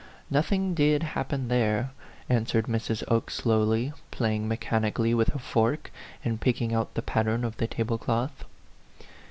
"Nothing did happen there," answered Mrs. Oke, slowly, playing mechanically with a fork, and picking out the pattern of the table cloth.